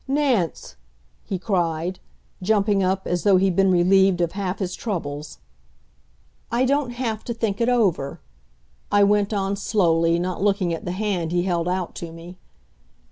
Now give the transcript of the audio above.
"Nance!" he cried, jumping up, as though he'd been relieved of half his troubles. "I don't have to think it over," I went on slowly, not looking at the hand he held out to me.